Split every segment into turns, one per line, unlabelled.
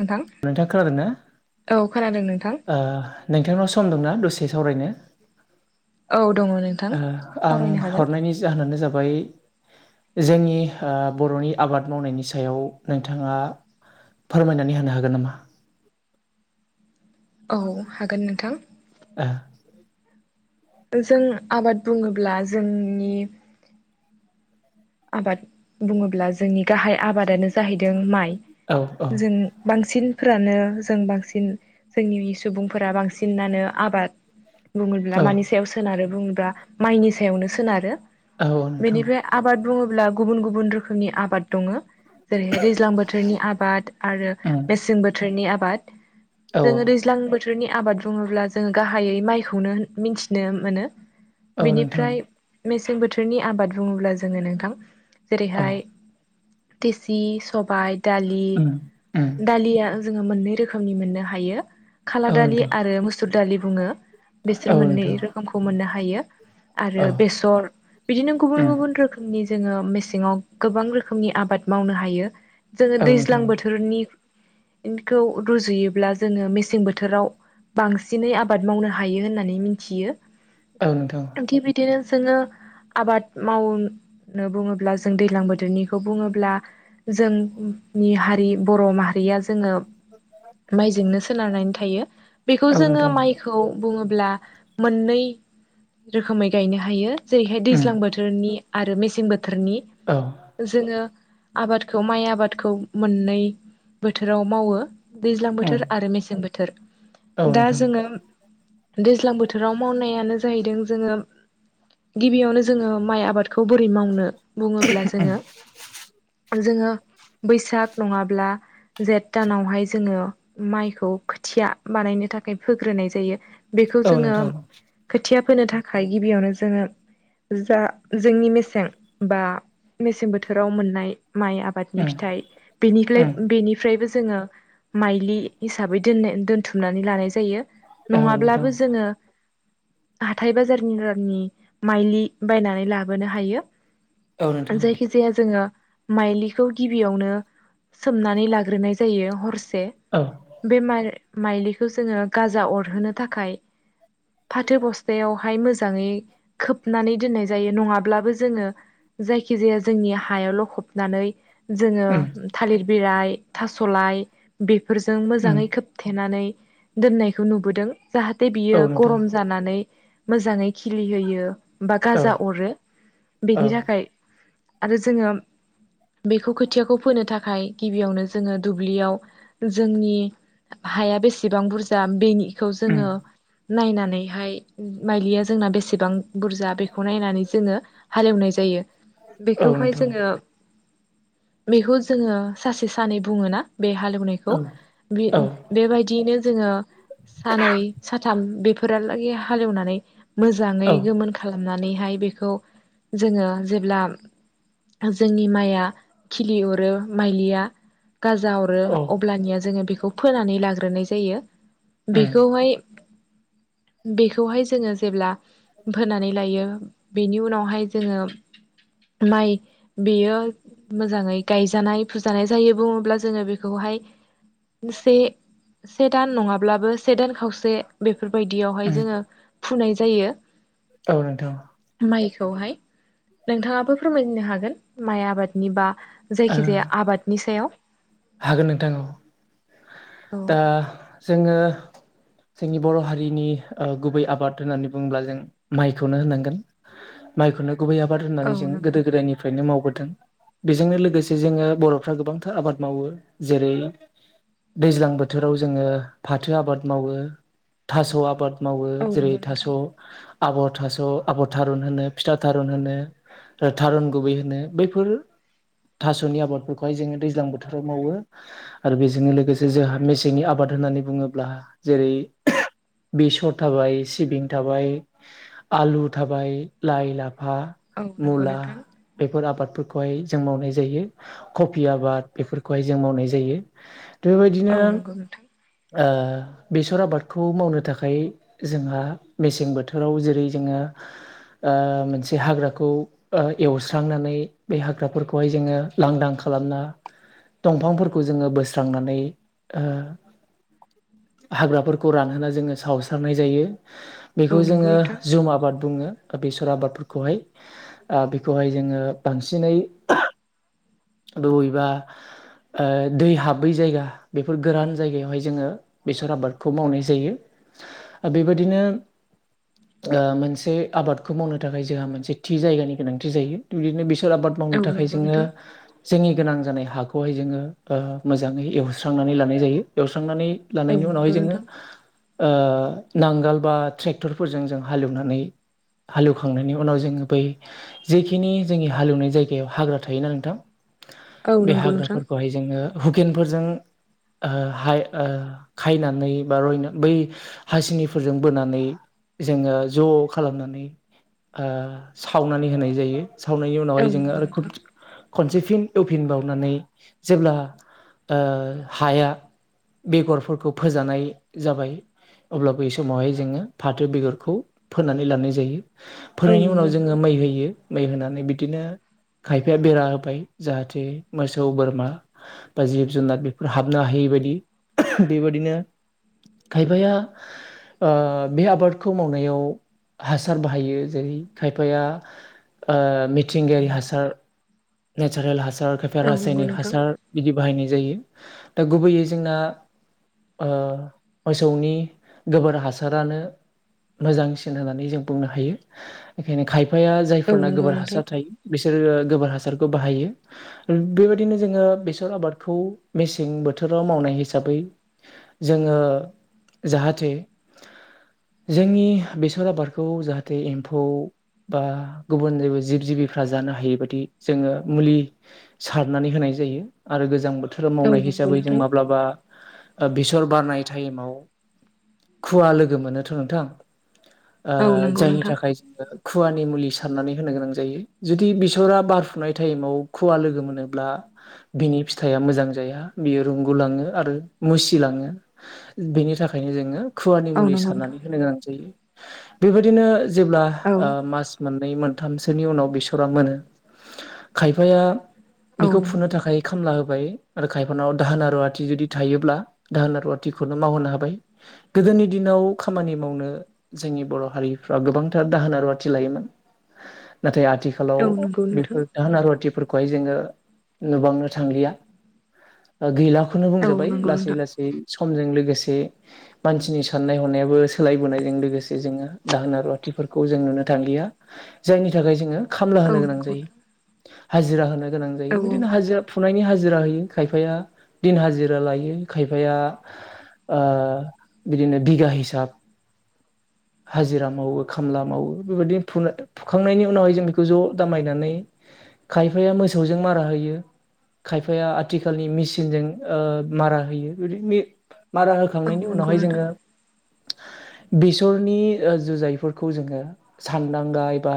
नोंथां
खोनादों ना
औ खोनादों नों
ओ नोंथांनाव सम दंना दसे सावरायनो?
औ दङ नोंथां
ओ आं
सावरायनो हागोन
हरनायनि जाहोनानो जाबाय जोंनि ओ बर'नि आबाद मावनायनि सायाव नोंथाङा फोरमायनानै होनो हागोन नामा?
औ हागोन नोंथां
ओ
जों आबाद बुङोब्ला जोंनि आबाद बुङोब्ला जोंनि गाहाय आबादानो जाहैदों माइ
ओ औ औ
। जों बांसिन फोरानो जों बांसिन जोंनि सुबुंफोरा बांसिनानो आबाद बुङोब्ला
औ
मानि सायाव सोनारो बुङोब्ला माइनि सायावनो सोनारो
औ नोंथां
बेनिफ्राय आबाद बुङोब्ला गुबुन गुबुन रोखोमनि आबाद दङ । जेरैहाय दैज्लां बोथोरनि आबाद आरो
उम
मेसें बोथोरनि आबाद
औ औ
जोङो दैज्लां बोथोर रनि आबाद बुङोब्ला जोङो गाहायै माइखौनो मिथिनो मोनो ।
औ नोंथां
बेनिफ्राय मेसें बोथोरनि आबाद बुङोब्ला जोङो नोंथां
औ
जेरैहाय थेसि सबाय दालि
उम उम
दालिया जोङो मोननै रोखोमनि मोननो हायो । खाला
औ
दालि
नोंथां
आरो मुसुर दालि बुङो
औ
बिसोर मोननै
नोंथां
रोखोमखौ मोननो हायो । आरो
औ
बेसर बिदिनो गुबुन
उम
गुबुन रोखोम नि जोङो मेसेङाव गोबां रोखोमनि आबाद मावनो हायो जोङो
औ नोंथां
दैज्लां बोथोरनि खौ रुजुयोब्ला जोङो मेसें बोथोराव बांसिनै आबाद मावनो हायो होननानै मिथियो
औ नोंथां
। थिग बिदिनो जोङो आबाद माव नो बुङोब्ला जों दैज्लां बोथोरनिखौ बुङोब्ला जोंनि हारि बर' माहा रिया जोङो माइजोंनो सोनारनानै थायो बेखौ
औ
जोङो
नोंथां
माइखौ बुङोह ब्ला मोननै रोखोमै गायनो हायो जेरैहाय
उम
दैज्लां बोथोरनि आरो मेसें बोथोरनि
औ
। जोङो आबादखौ माइ आबादखौ मोननै बोथोराव मावो । दैज्लां
उम
बोथोर आरो मेसें बोथोर
औ
दा
नोंथां
जोङो दैज्लां बोथोराव मावनायानो जाहैदों जोङो गिबियावनो जोङो माइ आबाद खौ बोरै मावनो बुङोब्ला जोङो जोङो बैसाग नङाब्ला जेठ दानावहाय जोङो माइखौ खोथिया बानायनो थाखाय फोग्रोनाय जायो । बेखौ
औ
जोङो
नोंथां
खोथिया फोनो थाखाय गिबियावनो जोङो जा जोंनि मेसें बा मेसें बोथोराव मोननाय माइ आबादनि
उम
फिथाइ बेनिफ्लाय
उम
बेनिफ्रायबो जोङो माइज्लि हिसाबै दोन दोनथुमनानै लानाय जायो
औ नोंथां
नङाब्लाबो जोङो हाथाइ बाजारनि रांनि माइज्लि बायनानै लाबोनो हायो
औ नोंथां
जायखि जाया जोङो माइज्लि खौ गिबियावनो सोमनानै लाग्रोनाय जायो हरसे
औ
बे माइ माइज्लिखौ जोङो गाजा अरहोनो थाखाय फाथो बस्थायावहाय मोजाङै खोबनानै दोननाय जायो नङाब्ला ब्लाबो जोङो जायखि जाया जोंनि हायाव लखबनानै जोङो
उम
थालिर बिलाइ थास'लाय बेफोरजों
उम
मोजाङै खोबथेनानै दोननायखौ नुबोदों जाहाथे बियो
औ नोंथां
गरम जानानै मोजाङै खिलि होयो बा
औ
गाजा अरो
औ
बेनि थाखाय आरो जोङो बेखौ खोथियाखौ फोनो थाखाय गिबियावनो जोङो दुब्लियाव जोंनि हाया बेसेबां बुरजा बेनि खौ
उम
जोङो नायनानैहाय माइलिया जोंना बेसेबां बुरजा बेखौ नायनानै जोङो हालेवनाय जायो
औ
बेखौहाय
नोंथां
जोङो बेखौ जोङो सासे सानै बुङो ना बे हालेवनायखौ
औ औ
बेबायदियैनो जोङो सानै, साथाम बेफोर फोरहालागै हालेवनानै मोजाङै
औ
गोमोन खालामनानैहाय बे खौ जोङो जेब्ला जोंनि माइआ खिलि अरो माइलिया गाजा हरो
उम
अब्लानिया जोङो बेखौ फोनानै लाग्रोनाय जायो बेखौहाय बेखौहाय जोङो जेब्ला फोनानै लायो बेनि उनावहाय जोङो माइ बेयो मोजाङै गायजानाय फुजानाय जायो बुङोब्ला जोङो बेखौ बे से दान नङाब्लाबो से दान खावसे बेफोरबायायदियावहाय जोङो फुनाय जायो
औन दां
माइखौहाय नोंथाङाबो फोरमायनो हागोन माइ आबादनि बा
ओ
जायखिजाया आबादनि सायाव
हागोन नोंथां औ
औ
दा जोङो जोंनि बर' हारिनि गुबै आबाद होननानै बुङोब्ला जों माइखौनो होनांगोन माइखौनो गुबै आबाद
औ
होननानै जों
नंगौ
गोदो
नोंथां
गोदायनिफ्रायनो मावबोदों बेजोंनो जोङो बर'फ्रा गोबांथार आबाद मावो जेरै दैज्लां बोथोराव जोङो फाथो आबाद मावो थास' आबाद मावो
औ
जेरै
नंगौ
थास',
नोंथां
आबर थास', आबर थारुन होनो फिथा थारुन होनो थारुन गुबै होनो बैफोर थास'नि आबादफोरखौहाय जोङो दैज्लां बोथोराव मावो आरो बेजोंनो लोगोसे जोंहा मेसेंनि आबाद होननानै नानै बुङोब्ला जेरै बेसर थाबाय सिबिं थाबाय आलु थाबाय लाइ लाफा
औ नंगौ
मुला
नोंथां
बेफोर आबादफोरखौहाय जों मावनाय ज आब बेफोरखौय जों मावनाय जायो
औ
बेबायदिनो
नंगौ नोंथां
बेसर आबादखौ मावनो थाखाय जोंहा मेसें बोथोराव जेरै जोङो मोनसे हाग्राखौ एवस्रांनानै बे हाग्राफोरखौ खौहाय जोङो लांदां खालामना दंफांफोरखौ जोङो बोस्रांनानै हाग्राफोरखौ रानहोना जोङो सावस्रारनाय जायो
औ
बेखौ
नंगौ
जोङो जुम आबाद बुंङो बेसर आबादफोरखौहाय ओ बेखौहाय जोंङो बांसिनै दुबैबा ओ दै हाबै जायगा बेफोर गोरान जायगायावहाय जोङो बेसर आबादखौ मावनाय जायो। ओ बेबायदिनो ओ मोनसे आबादखौ मावनो थाखाय जोंहा मोनसे थि जायगानि गोनांथि जायो थ' बिदिनो बेसोर आबाद माव थाखाय जोङो
नोंथां
जोंनि गोनां जानाय हाखौहाय जोङो ओ मोजाङै एवस्रांनानै लानाय जायो एवस्रांनानै
औ
लानायनि उनावहाय
नंगौ
जोङो
नोंथां
ओ नांगोल बा ट्रेक्टरफोरजों जों हालेवनानै हालेवखांनायनि उनाव जोङो बै जेखिनि जोंनि हालेवनाय जायग गायाव हाग्रा थायोना नोंथां?
औ
बे
नंगौ नोंथां
हाग्राफोरखौहाय जोङो हुकेनफोरजों ओ हाय ओ खायनानै बा रयना बै हासिनिफोरजों बोनानै जोङो ज खालामनानै ओ सावनानै होनाय जायो सावनायनि
औ
उनावहाय जोङो
नंगौ
आरो
नोंथां।
खनसे फिन एवफिन बावनानै जेब्ला ओ हाया बेगरफोरखौ फोजानाय जाबाय अब्लाबो बै समावहाय जोंङो फाथो बेगरखौ फोनानै लानाय जायो।
औ
फोनायनि
नंगौ
उनाव जोंङो
नोंथां
मै होयो मै होनानै बिदिनो खायफाया बेरा होबाय जाहाथे मोसौ बोरमा बा जिब जुनार बेफोर हाबनो हा यैबायदि बेबायदिनो खायफाया ओ बे आबादखौ मावनायाव हासार बाहायो जेरै खायफाया ओ मिथिंगायारि हास सार नेसारेल हासार खायफा
औ नंगौ
रासायनारि
नोंथां
हासार बिदि बाहायनाय जायो दा गुबैयै जोंना ओ मोसौनि गोबोर हासारानो मोजांसिन होननानै जों बुंनो हायो बेखायनो खाय फाया
औ
जायफोरना
नंगौ
गोबोर
नोंथां
हासार थायो बिसोरो गोबोर हासार बाहायो बेबायदिनो जोंङो बेसर आबादखौ मेसें बोथोराव मावनाय हिसाबै जोंङो जाहाथे जोंनि बेसर आबादखौ जाहाथे एम्फौ बा गुबुन जेबो जिब जिबिफ्रा जानो हायि बादि जोंङो मुलि सारनानै होनाय जायो आरो गोजां बो थोर
औ
मावनाय
नंगौ
हिसाबै जों
नोंथां
माब्लाबा बेसर बारनाय टाइमाव खुवा लोगो मोनोथ' नोंथां। ओ
औ नंगौ
जायनि
नोंथां
थाखाय जोंङो खुवानि मुलि सारनानै होनो गोनां जायो जुदि बिसरा बार फुनाय टाइमाव खुवा लोगो मोनोब्ला बिनि फिथाइआ मोजां जाया बियो रुंगुलाङो आरो मुसिलाङो बेनि थाखायनो जोंङो खुवानि
औ नंगौ नोंथां औ
मुलि
नंगौ नोंथां
सारनानै होनो गोनां जायो बेबायदिनो जेब्ला ओ
औ
मास मोन नै मोनथामसोनि उनाव बेसरा मोनो खायफाया
औ
बेखौ
नंगौ
फुनो थाखाय खामला हो बाय आरो खायफान दाहोन रुवाथि जुदि थायोब्ला दाहोन रुवाथिखौनो मावहोनो हाबाय गो गोदोनि दिनाव खामानि मावनो जोंनि बर' हारिफ्रा गोबांथार दाहोन रुवाथि लायोमोन। नाथाय आथिखालाव
औ नंगौ नोंथां
बेफोर जाहोन रुवाथिफोर खौहाय जोंङो नुबांनो थांलिया गैला खौनो
औ
बुंजाबाय
नंगौ
लासै
नोंथां
लासै समजों लोगोसे मानसिनि साननाय हनायाबो सोलायबोनायजों लोगोसे जोंङो दाहोन रुवाथि फोरखौ जों नुनो थांलिया जायनि थाखाय जोंङो खामला
औ
होनो गोनां
नंगौ
जायो
नोंथां
हाजिरा होनो गोनां जायो
औ
बिदिनो हाजिरा फुनायनि हाजि हाजिरा होयो खायफाया दिन हाजिरा लायो खायफाया ओ बिदिनो बिगा हिसाब हाजिरा मावो खामला मावो बेबायदिनो फु फुखांनायनि उनावहाय जों बेखौ ज' दामायनानै खायफाया मोसौजों मारा होयो। खायफाया आथिखालनि मेसिनजों मारा होयो बि मारा
औ
होखांनायनि
नंगौ
उनावहाय
नोंथां
जोङो बिस सरनि जुजायफोरखौ जोङो सानदांगा एबा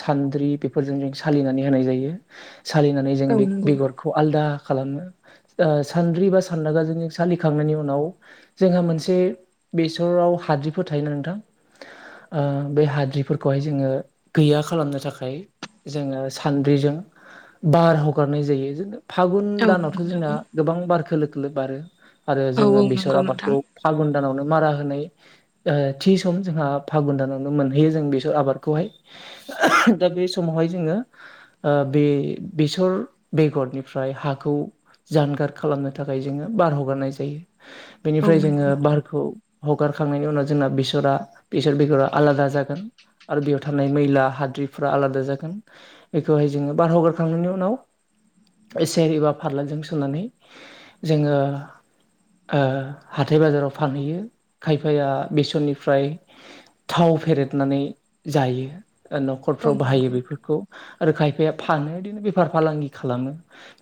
सान्द्रि बेफोरजों जों सालिनानै होनाय जायो। सालिनानै जों
औ
बे
नंगौ
बेगरखौ आलदा खालामनो सान्द्रि बा सान्दागाजों सालिखांनायनि उनाव जोंहा मोनसे बे सराव हाद्रिफोर थायोना नोंथां ओ बे हाद्रिफोरखौहाय जोङो गैया खालामनो थाखाय जोङो सानद्रिजों बार हगारनाय जायो जो फागुन
औ
दानावथ'
नंगौ
जोंना
नोंथां
गोबां बारखोलोोखोलोोब बारो आरो
औ औ
जोङो बेसर
नंगौ नोंथां
आबादखौ फागुन दानावनो मारा होनाय थि सम जोंहा फागुन दानावनो मोनहैयो जों बेसर आबादखौहाय दा बे समावहाय जोङो ओ बे बेसर बेगरनिफ्राय हाखौ जानगार खालामनो थाखाय जोङो बार हगारनाय जायो
औ
बेनिफ्राय जोङो
नंगौ नोंथां
बारखौ हगारखांनायनि उनाव जोंना बेसरा बेसर बेगरा आलादा जागोन। आरो बेयाव थानाय मैला हाद्रिफोरा आलादा जागोन बेखौहाय जोङो बारहगारखांनायनि उनाव सेर एबा फारलाजों सुनानै जोङो ओ हाथाय बाजाराव फानहैयो। खायफाया बेसननिफ्राय थाव फेरेदनानै जायो ।
औ
न'खरफ्राव बाहायो
नंगौ नोंथां
बेफोरखौ आरो खायफाया फानो बिदिनो बेफार फालांगि खालामो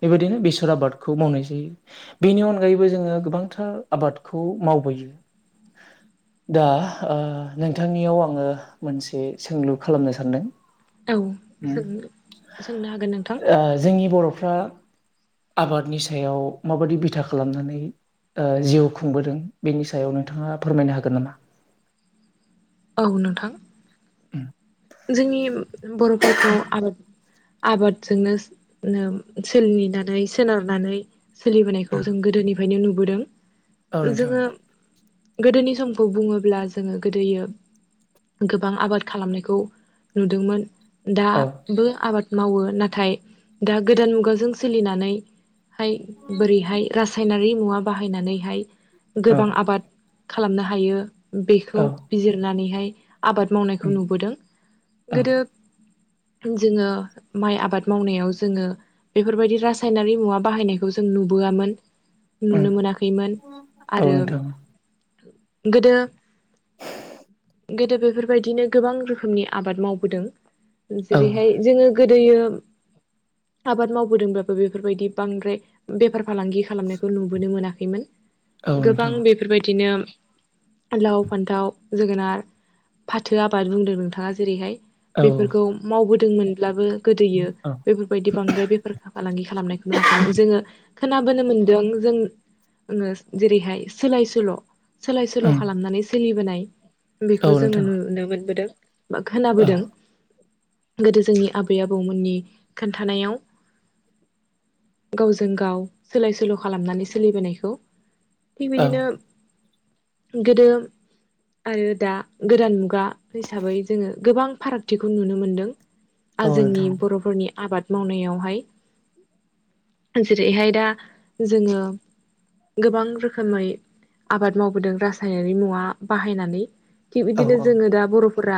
बेबायदिनो बेसर आबादखौ मावनाय जायो । बेनि अनगायैबो जोङो गोबांथार आबादखौ मावबोयो । दा नोंथांनियाव आङो मोनसे सोंलु खालामनो सानदों
औ सों सोंनो हागोन नोंथां
। जोंनि बर'फ्रा आबादनि सायाव माबायदि बिथा खालामनानै ओ जिउ खुंबोदों बेनि सायाव नोंथाङा फोरमायनो हागोन नामा?
औ नोंथां ।
[unintelligible]
जोंनि बर'फोरखौ आरोद आबादजोंनो सोलिनानै सोनारनानै सोलिबोनायखौ जों गोदोनिफ्रायनो नुबोदों
औ नोंथां
जोङो गोदोनि समखौ बुङोब्ला जोङो गोदो गोबां आबाद खालामनायखौ नुदोंमोन
औ
दाबो आबाद मावो नाथाय दा गोदान मुगाजों सोलिनानै हाय बोरैहाय रासायनारि मुवा बाहायनानैहाय
औ
गोबां आबाद खालामनो हायो बेखौ
औ
बिजिरनानैहाय आबाद मावनायखौ
उम
नुबोदों ।
औ
गोदो जोङो माइ आबाद मावनायाव जोङो बेफोरबायदि रासायनारि मुवा बाहायनायखौ जों नुबोआमोन ।
उम
नुनो मोनाखैमोन
औ
आरो
नोंथां
गोदो गोदो बेफोरबायदिनो गोबां रोखोमनि आबाद मावबोदों
औ
जेरैहाय जोङो गोदो दैयो आबाद मावबोदोंब्लााबबो बेफोरबायदि बांद्राय बेफार फालांगि खालामनायखौ नुबोनो मोनाखैमोन
औ
। गोबां
नोंथां
बेफोरबायदिनो लाव फान्थाव जोगोनार फाथो आबाद बुंदों नोंथाङा जेरैहाय ।
औ
बेफोरखौ मावबोदोंमोनब्लाबो गोदैयो
औ
बेफोरबायदि बांद्राय बेफोर फालांगि खालामनायखौ नुवाखैमोन जोङो खोनाबोनो मोन्दों जों जेरैहाय सोलाय सोल' सोलाय सोल'
उम
खालामनानै सोलिबोनाय
औ
बेखौ जोङो
नोंथां
नुनो मोनबोदों । बा
औ
खोनाबोदों । गोदो जोंनि आबै आबौमोननि खोन्थानायाव । गावजों गाव सोलाय सोल' खालामनानै सोलिबोनायखौ। थि
औ
बिदिनो गोदो आरो दा गोदान मुगा हिसाबै जोङो गोबां फारागथिखौ नुनो मोनदों
औ
जोंनि
नोंथां
बर'फोरनि आबाद मावनायावहाय जेरैहाय दा जोङो गोबां रोखोमै आबाद मावबोदों रासायनारि मुवा बाहायनानै । थिग
औ
बिदिनो जोङो दा बर'फोरा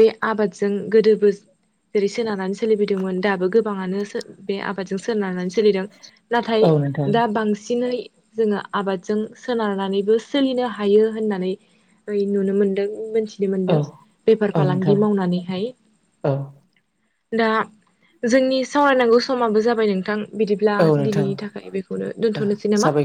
बे आबादजों गोदोबो जेरै सोनारानानै सोलिबोदोंमोन दाबो गोबाङानो बे आबाद सोनारनानै सोलिदों नाथाय
औ नोंथां
दा बांसिनै जोङो आबादजों सोनारनानैबो सोलिनो हायो होननानै ओइ नुनो मोन्दों मोन
औ
मोनदों। बेफार
औ
फालांगि
नोंथां
मावनानैहाय
औ
दा जोंनि सावरायनांगौ समाबो जाबाय नोंथां । बिदिब्ला
औ नोंथां
दिनैनि थाखाय बेखौनो दोन्थ'नोसै नामा ।
साबायखर